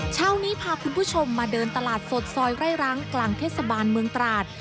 เช้านี้พาคุณผู้ชมมาเดินตลาดสดซอยไร่รั้งกลางเทศบาลเมืองตราด